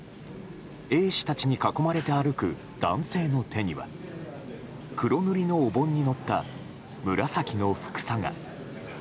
衛視たちに囲まれて歩く男性の手には黒塗りのお盆に載った紫のふくさが。